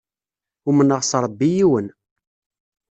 Umneɣ s Ṛebbi yiwen.